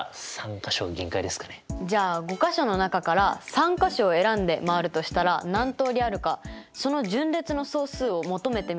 じゃあ５か所の中から３か所を選んで周るとしたら何通りあるかその順列の総数を求めてみませんか？